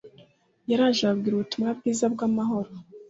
Yaraje ababwira ubutumwa bwiza bw’amahoro